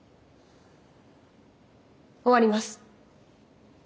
終わります。